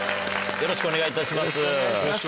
よろしくお願いします。